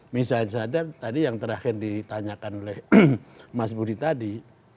misalnya saja tadi yang terakhir ditanyakan oleh mas budi tadi